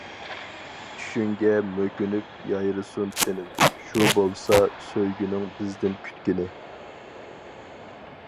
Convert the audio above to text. چۈشۈڭگە مۆكۈنۈپ يايرىسۇن تىنىم، شۇ بولسا سۆيگۈنىڭ بىزدىن كۈتكىنى.